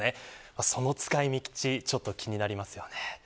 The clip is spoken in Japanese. その使い道ちょっと気になりますよね。